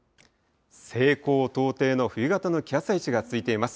西高東低の冬型の気圧配置が続いています。